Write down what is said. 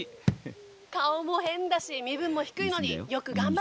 「顔も変だし身分も低いのによく頑張ってるわ」。